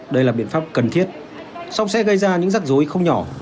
đây là biện pháp cần thiết song sẽ gây ra những rắc rối không nhỏ